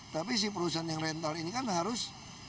tapi si perusahaan yang rental ini kan harus